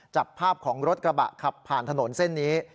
จับภาพของรถกระบะขับผ่านถนนเส้นนี้